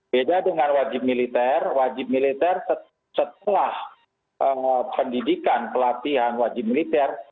beda dengan wajib militer wajib militer setelah pendidikan pelatihan wajib militer